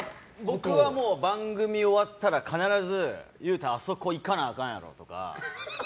僕は番組が終わったら必ず、裕太、あそこいかないかんやろとか。